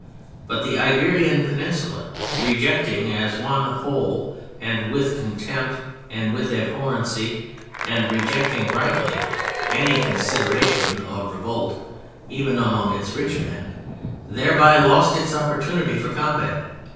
But the Iberian Peninsula rejecting as one whole and with contempt and with abhorrence (and rejecting rightly) any consideration of revolt—even among its rich men—thereby lost its opportunity for combat.